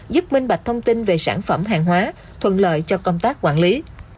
giúp minh bạch thông tin về sản phẩm hàng hóa thuận lợi cho công tác quản lý